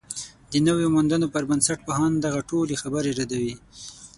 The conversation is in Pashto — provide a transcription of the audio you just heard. د نویو موندنو پر بنسټ، پوهان دغه ټولې خبرې ردوي